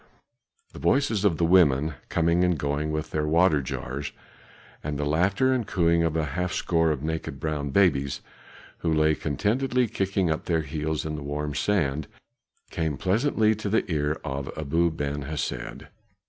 The voices of the women, coming and going with their water jars, and the laughter and cooing of half a score of naked brown babies, who lay contentedly kicking up their heels in the warm sand, came pleasantly to the ear of Abu Ben Hesed.